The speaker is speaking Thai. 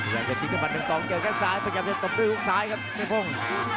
อยากจะดิ้งกับมันหนึ่งสองเกี่ยวกับสายพยายามจะตบด้วยลูกสายครับเสียโภง